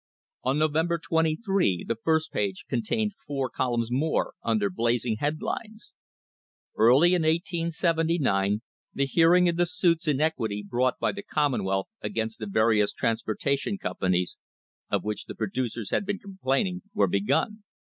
On November 23 the first page contained four columns more under blazing headings. Early in 1879 the hearing in the suits in equity brought by the commonwealth against the various transportation companies of which the producers had been complaining were begun.